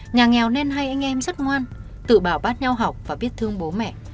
nhà nghèo nên hai anh em rất ngoan tự bảo bát nhau học và biết thương bố mẹ